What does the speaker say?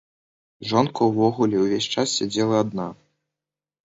Жонка ўвогуле ўвесь час сядзела адна.